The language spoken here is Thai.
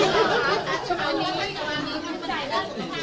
ไม่รู้อีกา